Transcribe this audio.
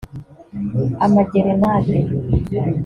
Amagerenade